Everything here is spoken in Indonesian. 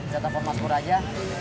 saya telepon mas bur aja